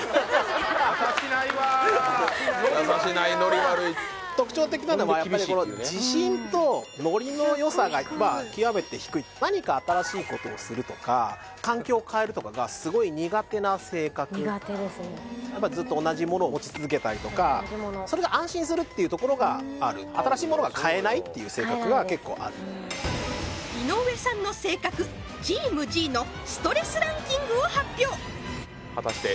優しないわノリ悪いなあ優しないノリ悪い特徴的なのはやっぱりこの自信とノリのよさが極めて低い何か新しいことをするとか環境を変えるとかがすごい苦手な性格苦手ですねやっぱずっと同じものを持ち続けたりとかそれが安心するっていうところがある新しいものが買えないっていう性格が結構ある井上さんの性格のストレスランキングを発表